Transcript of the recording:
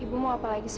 ibu mau apalagi sih